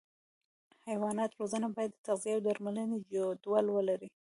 د حیواناتو روزنه باید د تغذیې او درملنې جدول ولري.